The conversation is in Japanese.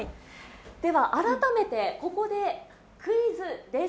改めて、ここでクイズです。